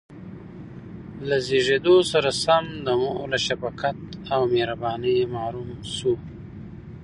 له زېږېدو سره سم د مور له شفقت او مهربانۍ محروم شو.